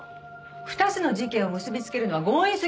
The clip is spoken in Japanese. ２つの事件を結びつけるのは強引すぎるわよ。